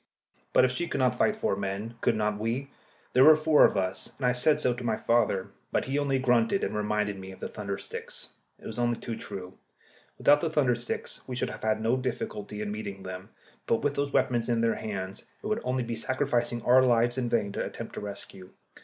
] But if she could not fight four men, could not we? There were four of us, and I said so to my father. But he only grunted, and reminded me of the thunder sticks. It was only too true. Without the thunder sticks we should have had no difficulty in meeting them, but with those weapons in their hands it would only be sacrificing our lives in vain to attempt a rescue.